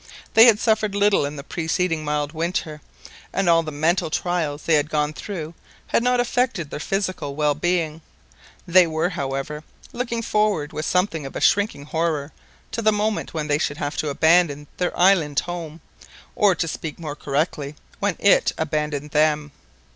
They had suffered little in the preceding mild winter, and all the mental trials they had gone through had not affected their physical well being. They were, however, looking forward with something of a shrinking horror to the moment when they would have to abandon their island home, or, to speak more correctly, when it abandoned them.